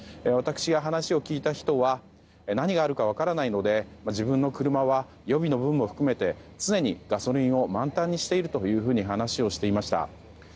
私が話を聞いた人は何があるか分からないので自分の車は予備の分も含めて常にガソリンを満タンにしていると話していました。